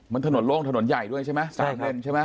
มันถนนโล่งถนนใหญ่ด้วยใช่ไหม